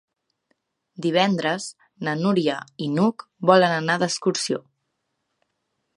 Divendres na Núria i n'Hug volen anar d'excursió.